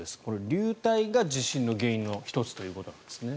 流体が地震の原因の１つということなんですね。